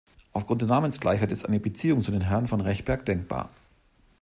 Aufgrund der Namensgleichheit ist eine Beziehung zu den Herren von Rechberg denkbar.